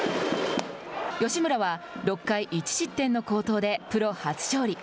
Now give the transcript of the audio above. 吉村は６回１失点の好投でプロ初勝利。